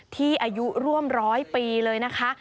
อายุร่วมร้อยปีเลยนะคะ